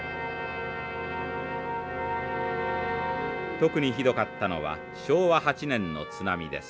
特にひどかったのは昭和８年の津波です。